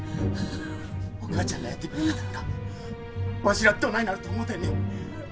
お母ちゃんがやってくれなかったらわしらどないなると思うてんねん。